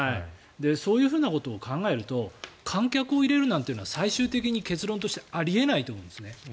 そういうことも考えると観客を入れるなんてことは最終的に結論としてあり得ないと思うんですね。